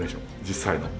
実際の。